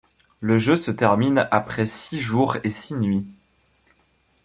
Le jeu se termine après six jours et six nuits.